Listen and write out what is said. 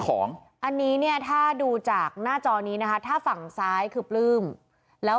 ของอันนี้เนี่ยถ้าดูจากหน้าจอนี้นะคะถ้าฝั่งซ้ายคือปลื้มแล้ว